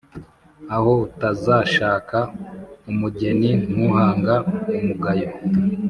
Aho utazashaka umugeni ntuhanga umugayo.